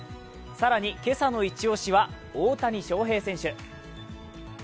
更に今朝のイチ押しは大谷翔平選手。